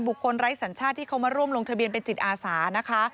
ไร้สัญชาติที่เขามาร่วมลงทะเบียนเป็นจิตอาสานะคะ